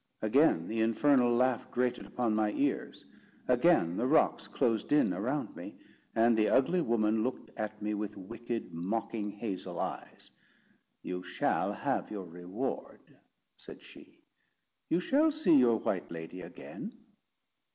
Again the infernal laugh grated upon my ears; again the rocks closed in around me, and the ugly woman looked at me with wicked, mocking hazel eyes. "You shall have your reward," said she. "You shall see your white lady again."